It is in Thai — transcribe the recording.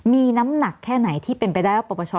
มีน้ำหนักแค่ไหนที่เป็นไปได้ว่าปปช